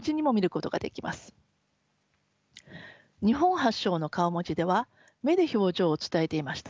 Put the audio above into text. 日本発祥の顔文字では目で表情を伝えていました。